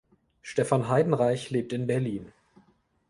Stefan Heidenreich lebt in Berlin.